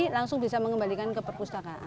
langsung bisa mengembalikan ke perpustakaan